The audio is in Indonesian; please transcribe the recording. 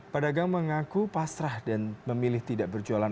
pedagang mengaku pasrah dan memilih tidak berjualan